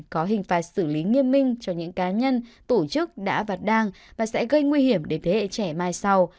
có hình phạt xử lý nghiêm minh cho những cá nhân tổ chức đã vặt đàng và sẽ gây nguy hiểm để thế hệ trẻ mai sau